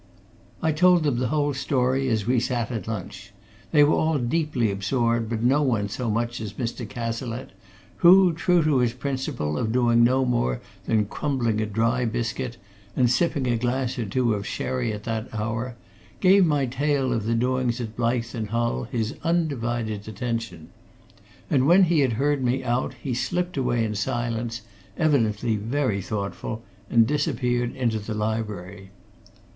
I told them the whole story as we sat at lunch. They were all deeply absorbed, but no one so much as Mr. Cazalette, who, true to his principle of doing no more than crumbling a dry biscuit and sipping a glass or two of sherry at that hour, gave my tale of the doings at Blyth and Hull his undivided attention. And when he had heard me out, he slipped away in silence, evidently very thoughtful, and disappeared into the library.